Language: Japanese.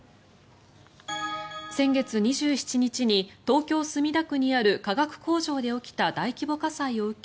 先月２７日に東京・墨田区にある化学工場で起きた大規模火災を受け